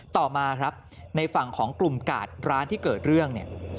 ต่อมาครับในฝั่งของกลุ่มกาดร้านที่เกิดเรื่องเนี่ย